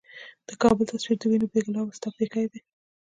د کـــــــــابل تصویر د وینو ،بې ګلابه ستا پیکی دی